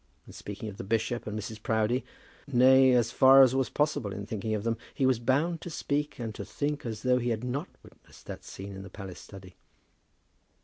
In speaking of the bishop and Mrs. Proudie, nay, as far as was possible in thinking of them, he was bound to speak and to think as though he had not witnessed that scene in the palace study.